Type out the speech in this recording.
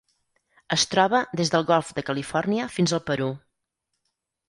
Es troba des del Golf de Califòrnia fins al Perú.